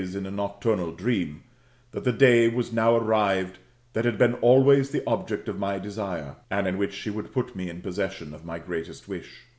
in a nocturnal dream], that the day was now arrived that had been always the object of my desire, and in which she would put me in possession of my greatest wish.